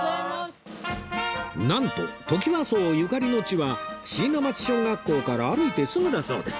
なんとトキワ荘ゆかりの地は椎名町小学校から歩いてすぐだそうです